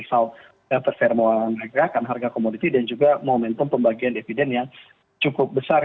masih cukup bagus dari sisi risau performa harga komoditi dan juga momentum pembagian dividen yang cukup besar